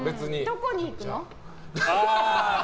どこに行くの？